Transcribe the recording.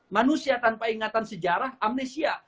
manusia tanpa ingatan sejarah amnesia